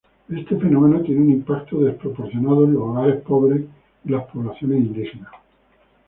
Este fenómeno tiene un impacto desproporcionado en los hogares pobres y las poblaciones indígenas.